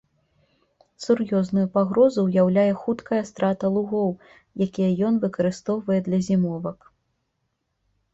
Сур'ёзную пагрозу ўяўляе хуткая страта лугоў, якія ён выкарыстоўвае для зімовак.